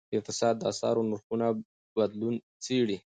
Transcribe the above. اقتصاد د اسعارو نرخونو بدلون څیړي.